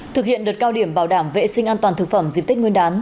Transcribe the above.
thực hiện đợt cao điểm bảo đảm vệ sinh an toàn thực phẩm dịp tết nguyên đán